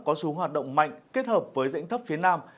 có xu hướng hoạt động mạnh kết hợp với rãnh thấp phía nam